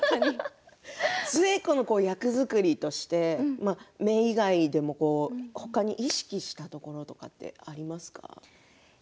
寿恵子の役作りとして目以外でも他に意識したことってありますか。